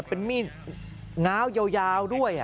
เป็นมีดง้าวยาวด้วย